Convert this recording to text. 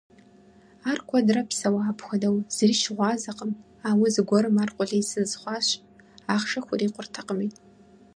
Ар куэдрэ псэуа апхуэдэу, зыри щыгъуазэкъым, ауэ зэгуэрым ар къулейсыз хъуащ: ахъшэ хурикъуртэкъым.